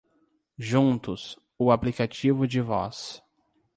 Juntos, o aplicativo de voz